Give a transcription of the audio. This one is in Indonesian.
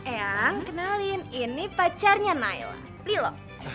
eh kenalin ini pacarnya naila lilo